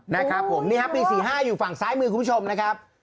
นะครับผมนี่ฮะปี๔๕อยู่ฝั่งซ้ายมือคุณผู้ชมนะครับ